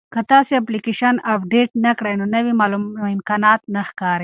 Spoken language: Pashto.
که تاسي اپلیکیشن اپډیټ نه کړئ نو نوي امکانات نه ښکاري.